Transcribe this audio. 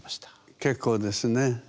結構ですね。